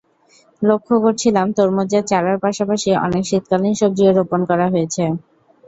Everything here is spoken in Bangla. লক্ষ করছিলাম তরমুজের চারার পাশাপাশি অনেক শীতকালীন সবজিও রোপণ করা হয়েছে।